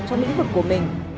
trong lĩnh vực của mình